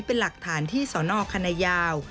เป็นหลักฐานที่สนคณะยาว